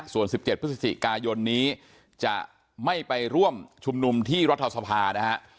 ส่วน๑๗พฤศจิกายนนี้จะไม่ไปร่วมชุมนุมที่รัฐสภานะฮะ